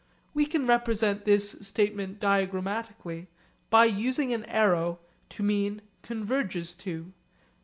We can represent this statement diagrammatically by using an arrow (➝) to mean 'converges to.'